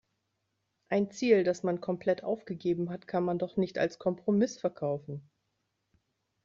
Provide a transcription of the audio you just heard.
Ein Ziel, das man komplett aufgegeben hat, kann man doch nicht als Kompromiss verkaufen.